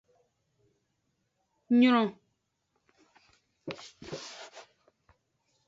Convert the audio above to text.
Nyron.